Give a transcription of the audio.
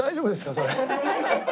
それ。